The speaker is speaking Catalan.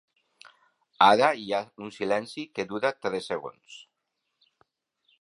Ara hi ha un silenci que dura tres segons.